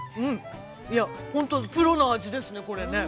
いや、本当プロの味ですね、これね。